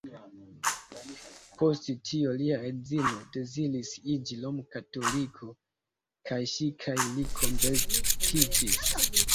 Post tio lia edzino deziris iĝi rom-katoliko, kaj ŝi kaj li konvertiĝis.